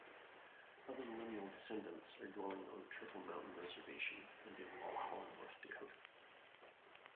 Other lineal descendants are dwelling on Turtle Mountain Reservation and in Walhalla, North Dakota.